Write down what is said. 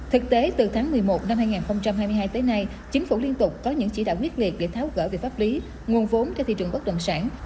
thực tế từ tháng một mươi một năm hai nghìn hai mươi hai tới nay chính phủ liên tục có những chỉ đạo quyết liệt để tháo gỡ về pháp lý nguồn vốn cho thị trường bất động sản